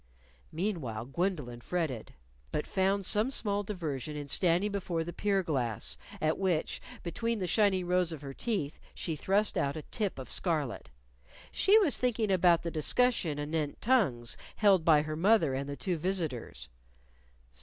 Meanwhile, Gwendolyn fretted. But found some small diversion in standing before the pier glass, at which, between the shining rows of her teeth, she thrust out a tip of scarlet. She was thinking about the discussion anent tongues held by her mother and the two visitors.